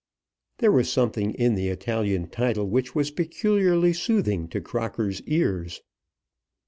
There was something in the Italian title which was peculiarly soothing to Crocker's ears.